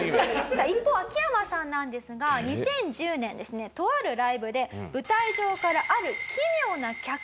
さあ一方秋山さんなんですが２０１０年ですねとあるライブで舞台上からある奇妙な客を発見しました。